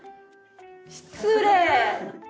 失礼！